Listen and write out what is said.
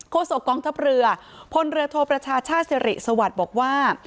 โศกองทัพเรือพลเรือโทประชาชาติสิริสวัสดิ์บอกว่า